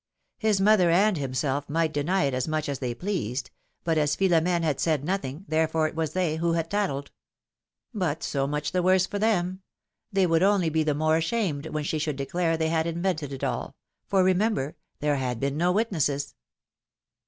His mother and himself might deny it as much as they pleased, but as Philomene had said nothing, therefore it was they who had tattled. But so much the worse for them ! They would only be the more ashamed, when she should declare they had invented it all; for, remember, there had been no witnesses.